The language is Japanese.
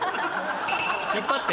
引っ張って。